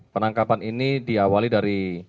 penangkapan ini diawali dari